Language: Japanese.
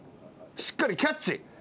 しっかりキャッチ。